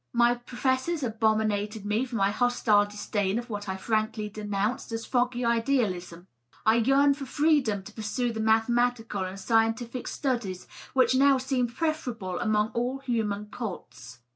My professors abominated me for my hostile disdain of what I frankly denounced as foggy idealism. I yearned for freedom to pursue the mathematical and scientific studies which now seemed preferable among all human cults.